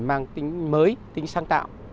mang tính mới tính sáng tạo